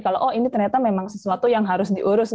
kalau oh ini ternyata memang sesuatu yang harus diurus